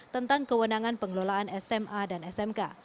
tentang kewenangan pengelolaan sma dan smk